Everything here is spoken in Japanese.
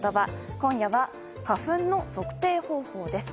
今夜は花粉の測定方法です。